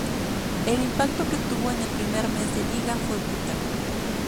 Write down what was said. El impacto que tuvo en el primer mes de liga fue brutal.